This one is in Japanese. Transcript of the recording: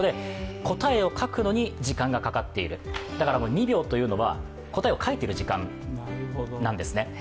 ２秒というのは答えを書いている時間なんですね。